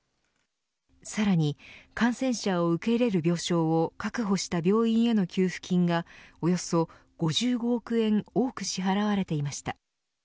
さらに感染者を受け入れる病床を確保した病院への給付金がおよそ５５億円多く支払われていました。